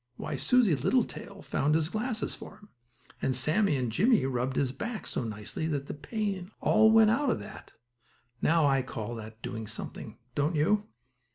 Why, Susie Littletail found his glasses for him; and Sammie and Jimmie rubbed his back so nicely that the pain all went out of that. Now I call that doing something don't you?